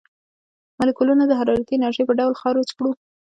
مالیکولونه د حرارتي انرژۍ په ډول خارج کړو.